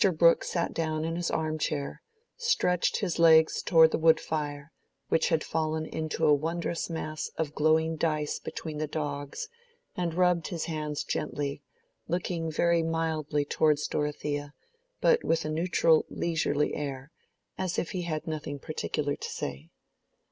Brooke sat down in his arm chair, stretched his legs towards the wood fire, which had fallen into a wondrous mass of glowing dice between the dogs, and rubbed his hands gently, looking very mildly towards Dorothea, but with a neutral leisurely air, as if he had nothing particular to say.